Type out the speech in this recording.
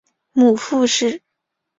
母傅氏。